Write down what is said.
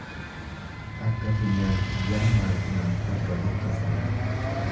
Akka funyaan kiyyaa maaltu naaf arga jette sareen.